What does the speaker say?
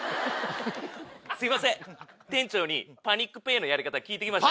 すいません店長にパニックペイのやり方聞いてきました。